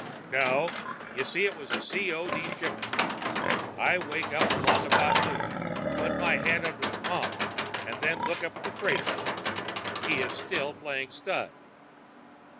"No. You see, it was a C. O. D. shipment. I wake up along about noon, put my head under the pump, and then look up the trader. He is still playing stud.